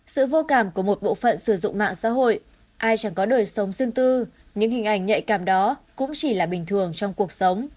sự vô cảm của một bộ phận sử dụng mạng xã hội ai chẳng có đời sống riêng tư những hình ảnh nhạy cảm đó cũng chỉ là bình thường trong cuộc sống